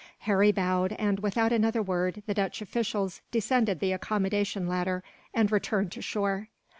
Harry bowed and, without another word, the Dutch officials descended the accommodation ladder, and returned to shore.